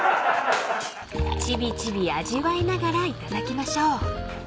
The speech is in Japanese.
［ちびちび味わいながら頂きましょう］